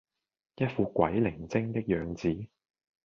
一副鬼靈精的樣子